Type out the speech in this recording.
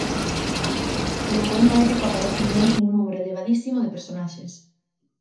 Como poema épico aparecen nel un número elevadísimo de personaxes.